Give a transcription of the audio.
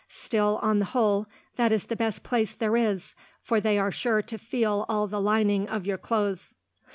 Still, on the whole, that is the best place there is, for they are sure to feel all the lining of your clothes."